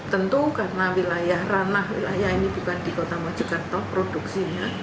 tentu karena wilayah ranah wilayah ini bukan di kota mojokerto produksinya